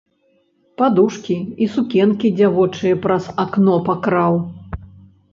Падушкі і сукенкі дзявочыя праз акно пакраў.